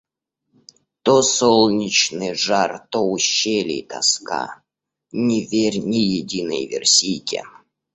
То солнечный жар, то ущелий тоска, — не верь ни единой версийке.